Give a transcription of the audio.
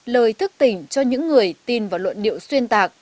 lời thức tỉnh cho những người tin vào luận điệu xuyên tạc